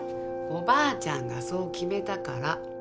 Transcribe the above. おばあちゃんがそう決めたから。